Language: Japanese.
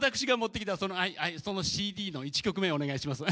そのＣＤの１曲目お願いします。